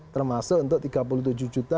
termasuk untuk tiga puluh tujuh juta